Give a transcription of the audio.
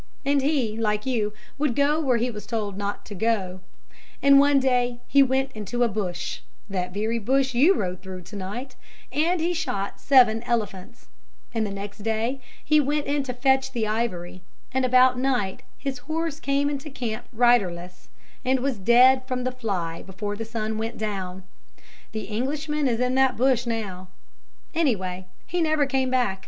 And he, like you, would go where he was told not to go; and one day he went into a bush (that very bush you rode through to night), and he shot seven elephants, and the next day he went in to fetch the ivory, and about night his horse came into camp riderless, and was dead from the fly before the sun went down. The Englishman is in that bush now; anyway, he never came back.